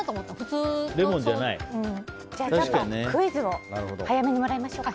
じゃあクイズを早めにもらいましょうか。